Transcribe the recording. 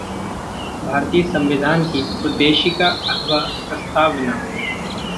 भारतीय संविधान की उद्देशिका अथवा प्रस्तावना